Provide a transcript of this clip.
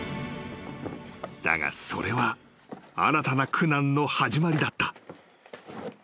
［だがそれは新たな苦難の始まりだった］